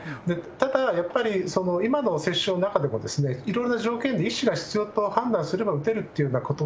ただやっぱり、今の接種の中でも、いろいろな条件で医師が必要と判断すれば打てるというようなこと